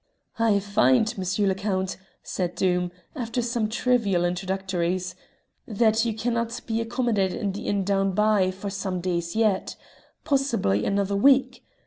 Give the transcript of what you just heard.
"I find, M. le Count," said Doom, after some trivial introductories, "that you cannot be accommodated in the inn down by for some days yet possibly another week.